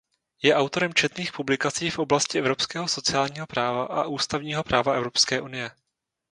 Je autorem četných publikací v oblasti evropského sociálního práva a ústavního práva Evropské unie.